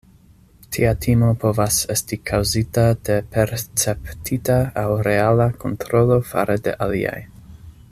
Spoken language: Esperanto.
Tia timo povas esti kaŭzita de perceptita aŭ reala kontrolo fare de aliaj.